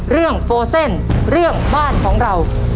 โฟเซนเรื่องบ้านของเรา